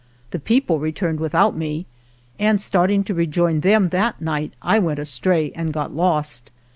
The people returned without me, and starting to rejoin them that night I went astray and got lost.